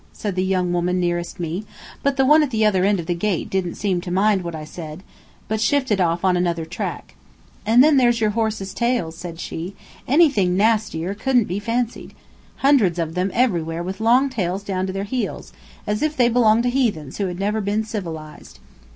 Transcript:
said the young woman nearest me; but the one at the other end of the gate didn't seem to mind what I said, but shifted off on another track. "And then there's your horses' tails," said she; "anything nastier couldn't be fancied. Hundreds of them everywhere with long tails down to their heels, as if they belong to heathens who had never been civilized."